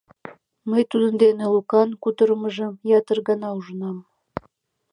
Мый тудын дене Лукан кутырымыжым ятыр гана ужынам.